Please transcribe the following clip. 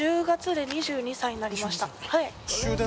１０月で２２歳になりました。